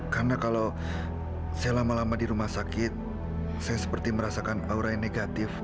karena kalau saya lama lama di rumah sakit saya seperti merasakan aura yang negatif